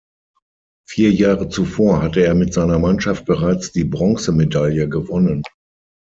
Vier Jahre zuvor hatte er mit seiner Mannschaft bereits die Bronzemedaille gewonnen.